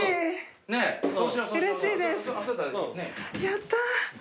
やったー。